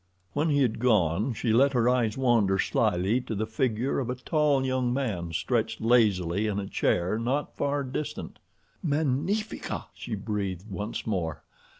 When he had gone she let her eyes wander slyly to the figure of a tall young man stretched lazily in a chair not far distant. "Magnifique!" she breathed once more.